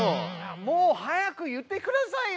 もう早く言ってくださいよ！